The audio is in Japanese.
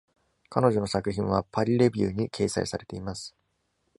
彼女の作品は「Paris Review」に掲載されています。